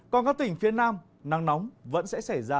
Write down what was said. còn các tỉnh phía nam nắng nóng vẫn sẽ xảy ra